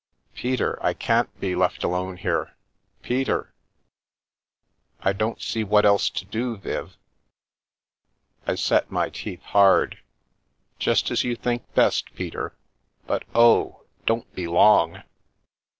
Peter, I can't be left alone here ! Peter !" I don't see what else to do, Viv." I set my teeth hard. "Just as you think best, Peter. But oh, don't be long!"